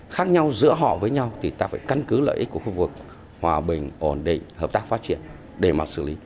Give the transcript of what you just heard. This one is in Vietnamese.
khác nhau giữa họ với nhau thì ta phải căn cứ lợi ích của khu vực hòa bình ổn định hợp tác phát triển để mà xử lý